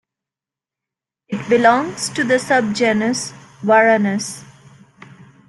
It belongs to the subgenus "Varanus".